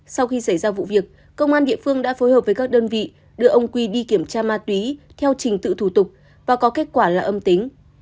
sau khi xảy ra vụ việc công an địa phương đã phối hợp với các đơn vị đưa ông quy đi kiểm tra ma túy theo trình tự thủ tục và có kết quả là âm tính